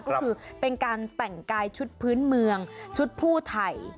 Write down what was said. ก็คือเป็นการแต่งกายชุดพื้นเมืองชุดผู้ไทย